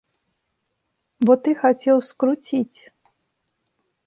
Бо ты хацеў скруціць.